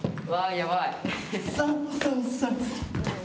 やばい！